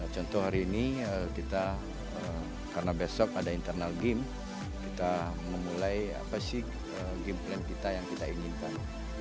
contoh hari ini kita karena besok ada internal game kita memulai apa sih game plan kita yang kita inginkan